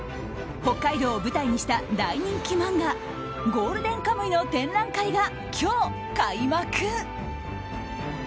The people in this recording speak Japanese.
北海道を舞台にした大人気漫画「ゴールデンカムイ」の展覧会が今日、開幕。